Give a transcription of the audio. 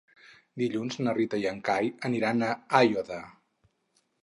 Dilluns na Rita i en Cai aniran a Aiòder.